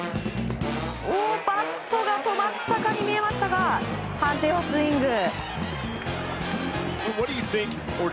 バットが止まったかに見えましたが判定はスイング。